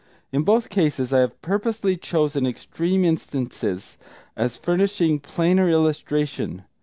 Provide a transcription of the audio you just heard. In both cases I have purposely chosen extreme instances, as furnishing plainer illustration.